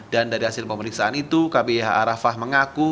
dan dari hasil pemeriksaan itu kbih arafah mengaku